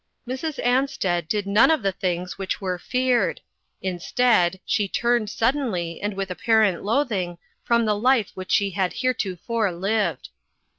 Mrs. Ansted did none of the things which were feared. Instead, she turned suddenly, and with apparent loathing, from the life which she had heretofore lived.